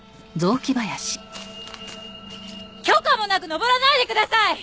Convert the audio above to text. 許可もなく登らないでください！